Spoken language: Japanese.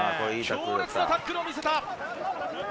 強烈なタックルを見せた。